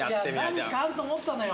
何かあると思ったのよ。